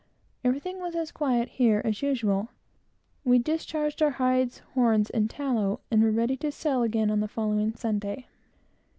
Everything was as quiet here as usual. We discharged our hides, horns, and tallow, and were ready to sail again on the following Sunday.